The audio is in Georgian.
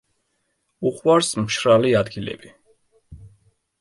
უყვარს მშრალი ადგილები.